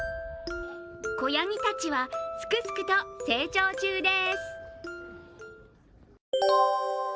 子やぎたちはすくすくと成長中です。